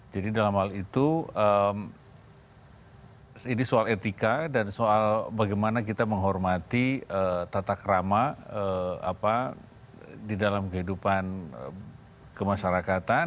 jadi dalam hal itu ini soal etika dan soal bagaimana kita menghormati tatak rama di dalam kehidupan kemasyarakatan